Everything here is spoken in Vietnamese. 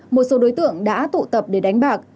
một số đối tượng đã tụ tập để đánh bạc